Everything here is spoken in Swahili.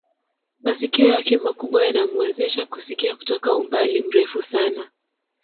Masikio yake makubwa yanamuwezesha kusikia kutoka umbali mrefu sana